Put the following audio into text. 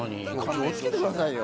気を付けてくださいよ。